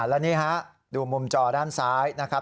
และนี่ฮะดูมุมจอด้านซ้ายนะครับ